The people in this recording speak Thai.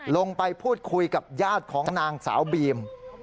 ลงไปพูดคุยกับญาติของนางสาวบีม